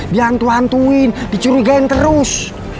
dihantuin dicurigain terus